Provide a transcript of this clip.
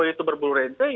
itu berburu rente